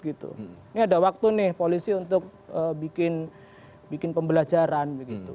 ini ada waktu nih polisi untuk bikin pembelajaran